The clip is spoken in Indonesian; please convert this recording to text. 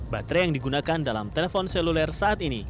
baterai yang digunakan dalam telepon seluler saat ini